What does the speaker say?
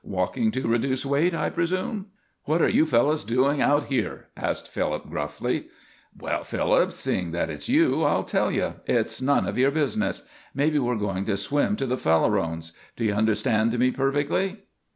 Walking to reduce weight, I presume?" "What are you fellows doing out here?" asked Phillips, gruffly. "Well, Phillips, seeing that it's you, I'll tell you: It's none of your business. Maybe we're going to swim to the Farallones. Do you understand me perfectly?"